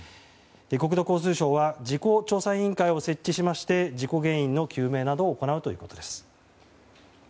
国土交通省は事故調査委員会を設置しまして事故原因の究明などを行うということです。